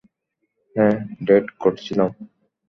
হ্যাঁ ডেট করছিলাম।